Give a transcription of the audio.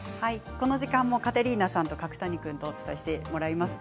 この時間もカテリーナさんと角谷さんとお伝えしてもらいます。